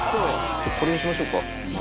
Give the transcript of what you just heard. じゃこれにしましょうか。